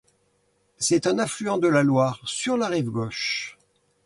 C'est un affluent de la Loire sur la rive gauche.